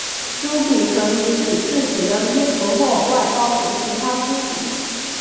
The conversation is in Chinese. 朱比可以洗自己的衣服或外包给其他朱比。